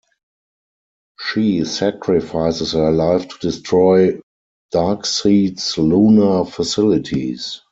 She sacrifices her life to destroy Darkseid's lunar facilities.